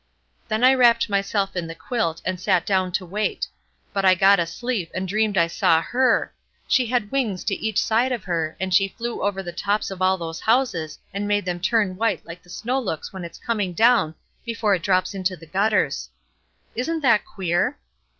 "Then I wrapped myself in the quilt and sat down to wait; but I got asleep, and I dreamed I saw her; she had wings to each side of her, and she flew over the tops of all those houses and made them turn white like the snow looks when it is coming down before it drops into the gutters. Wasn't that queer?